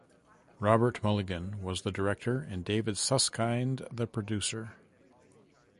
Robert Mulligan was the director and David Susskind the producer.